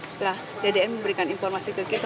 setelah ddm memberikan informasi ke kita